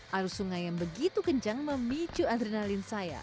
arus sungai yang begitu kencang memicu adrenalin saya